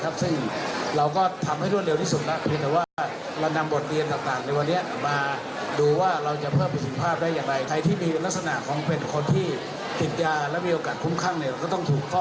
บนหลักจากนี้เสร็จแล้วเราก็ถอดโดดเย็นว่า